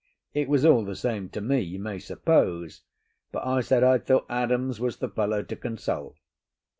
It was all the same to me, you may suppose; but I said I thought Adams was the fellow to consult.